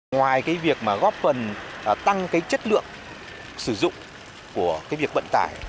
ngoài việc góp phần tăng chất lượng sử dụng của việc bận tải